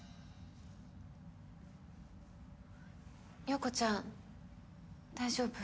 葉子ちゃん大丈夫？